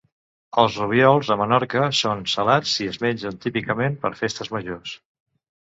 Els rubiols a Menorca són salats i es mengen típicament per festes majors.